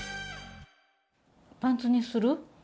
パンツにする？